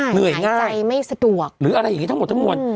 เหนื่อยง่ายใจไม่สะดวกหรืออะไรอย่างนี้ทั้งหมดทั้งมวล